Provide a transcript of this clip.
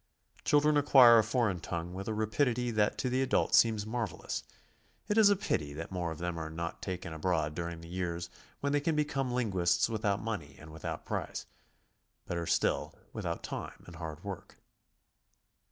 Chil dren acquire a foreign tongue with a rapidity that to the adult seems marvelous; it is a pity that more of them are not taken abroad during the years when they can become lin guists without money and without price, — "better still, with out time and hai d work.